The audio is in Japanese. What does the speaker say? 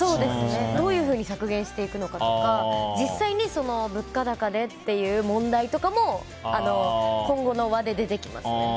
どういうふうに削減していくのかとか実際に物価高でという問題とかも今後の話で出てきます。